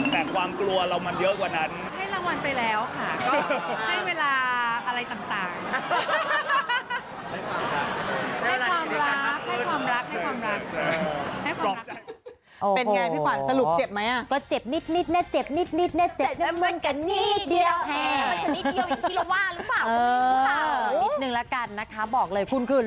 แต่ความกลัวเรามันเยอะกว่านั้น